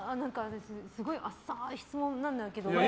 すごい浅い質問なんだけど。